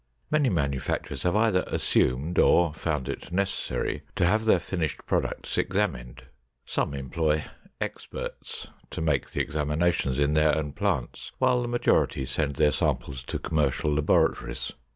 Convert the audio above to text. Many manufacturers have either assumed or found it necessary to have their finished products examined. Some employ "experts" to make the examinations in their own plants, while the majority send their samples to commercial laboratories.